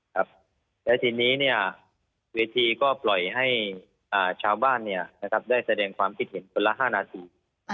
ครับแล้วทีนี้เวทีก็ปล่อยให้ชาวบ้านได้แสดงความคิดเห็นคนละ๕นาที